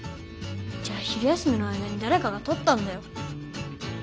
じゃ昼休みの間にだれかがとったんだよ。